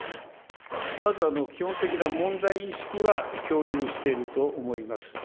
まず基本的な問題意識は共有していると思います。